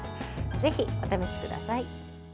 ぜひお試しください。